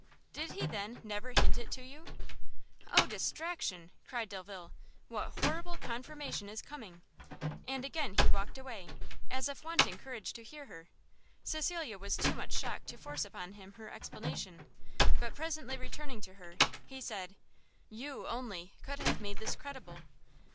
"Did he, then, never hint it to you?" "Oh distraction!" cried Delvile, "what horrible confirmation is coming!" and again he walked away, as if wanting courage to hear her. Cecilia was too much shocked to force upon him her explanation; but presently returning to her, he said, "you, only, could have made this credible!"